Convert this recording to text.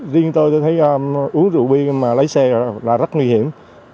riêng tôi thấy uống rượu bia mà lái xe là rất nguy hiểm